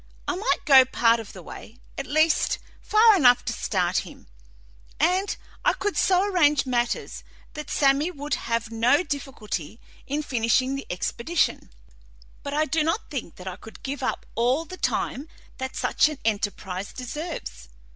I might go part of the way at least, far enough to start him and I could so arrange matters that Sammy would have no difficulty in finishing the expedition, but I do not think that I could give up all the time that such an enterprise deserves.